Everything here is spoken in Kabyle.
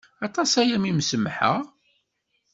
Aṭas-aya mi m-sumḥeɣ.